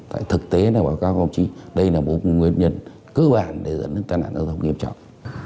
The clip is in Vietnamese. tại thực tế này bảo cáo công trí đây là một nguyên nhân cơ bản để dẫn tham gia thao thông nghiêm trọng